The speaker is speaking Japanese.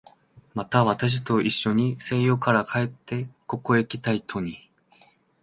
また、私といっしょに西洋から帰ってここへきた人に